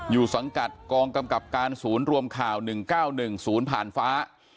สังกัดกองกำกับการศูนย์รวมข่าว๑๙๑๐ผ่านฟ้า